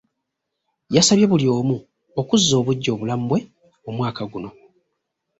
Yasabye buli omu okuzza obuggya obulamu bwe omwaka guno.